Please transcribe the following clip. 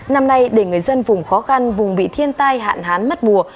năm nay để người dân vùng khó khăn vùng bị thiên tai hạn hán mất mùa